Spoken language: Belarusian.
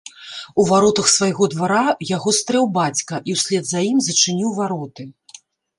У варотах свайго двара яго стрэў бацька і ўслед за ім зачыніў вароты.